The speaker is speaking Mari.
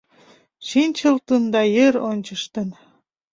Шинчылтын да йыр ончыштын.